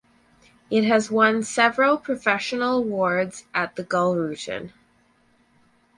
It has won several professional awards at the Gullruten.